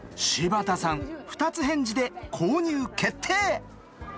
柴田さん二つ返事で購入決定！